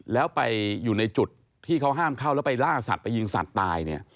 แล้วไปอยู่ในจุดที่เขาห้ามเข้าแล้วไปล่าสัตว์ไปยิงสัตว์ตายเนี่ย